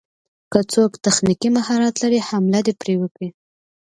که څوک تخنيکي مهارت لري حمله دې پرې وکړي.